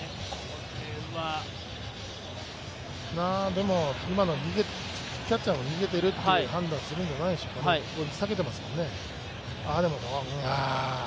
でも、今の、キャッチャーが逃げているという判断をするんじゃないですかね、避けてますもんね。